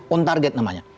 on target namanya